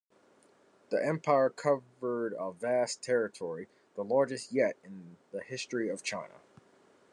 The empire covered a vast territory, the largest yet in the history of China.